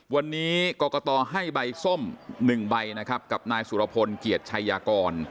วันนี้กรกตให้ใบส้ม๑ใบนะครับกับนายสุรพลเกียรติชัยยากร